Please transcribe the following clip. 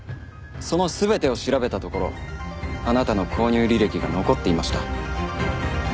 その全てを調べたところあなたの購入履歴が残っていました。